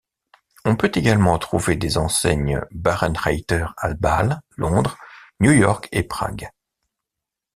On peut également trouver des enseignes Bärenreiter à Bâle, Londres, New York et Prague.